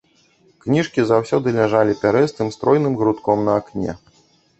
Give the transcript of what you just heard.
Кніжкі заўсёды ляжалі пярэстым, стройным грудком на акне.